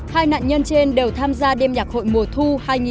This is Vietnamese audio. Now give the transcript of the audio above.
hai nạn nhân trên đều tham gia đêm nhạc hội mùa thu hai nghìn một mươi chín